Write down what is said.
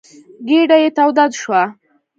ګېډه یې توده شوه.